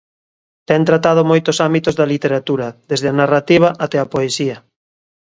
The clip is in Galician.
Ten tratado moitos ámbitos da literatura, desde a narrativa até a poesía.